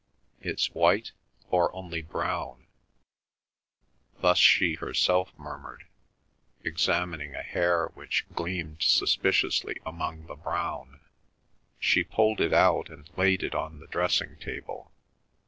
"It's white? Or only brown?" Thus she herself murmured, examining a hair which gleamed suspiciously among the brown. She pulled it out and laid it on the dressing table.